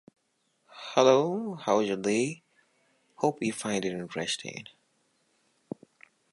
The reasons for restricted tenders differ in scope and purpose.